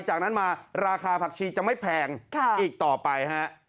จากนั้นมาราคาผักชีจะไม่แพงอีกต่อไปฮะ